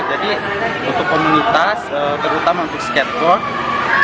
jadi untuk komunitas terutama untuk skateboard